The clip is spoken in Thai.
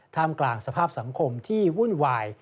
มกลางสภาพสังคมที่วุ่นวาย